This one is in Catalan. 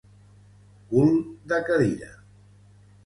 Cul de cadira.